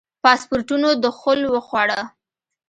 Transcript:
پاسپورټونو دخول وخوړه.